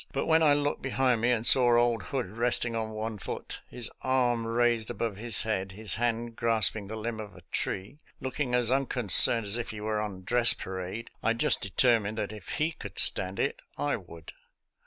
But when I looked behind me and saw old Hood resting on one foot, his arm raised above his head, his hand grasping the limb of a tree, looking as unconcerned as if we were on dress parade, I just determined that if he could stand it, I would."